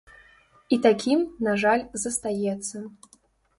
І такім, на жаль, застаецца.